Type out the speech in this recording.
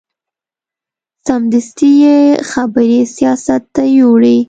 سمدستي یې خبرې سیاست ته یوړې.